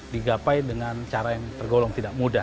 digapai dengan cara yang tergolong tidak mudah